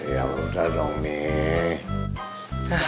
ya udah dong nih